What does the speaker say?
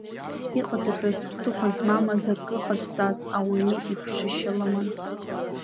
Иҟаҵатәыз, ԥсыхәа змамыз акы ҟазҵаз ауаҩы иԥшышьа лыман.